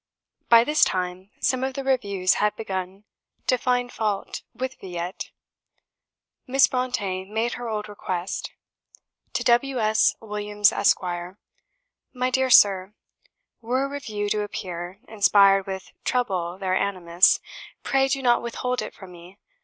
By this time some of the Reviews had began to find fault with "Villette." Miss Brontë made her old request. TO W. S. WILLIAMS, ESQ. "My dear Sir, Were a review to appear, inspired with treble their animus, PRAY do not withhold it from me.